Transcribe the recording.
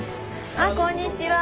あこんにちは！